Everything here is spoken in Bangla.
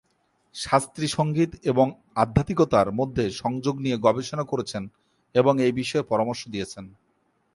শাস্ত্রী সংগীত এবং আধ্যাত্মিকতার মধ্যে সংযোগ নিয়ে গবেষণা করেছেন এবং এই বিষয়ে পরামর্শ দিয়েছেন।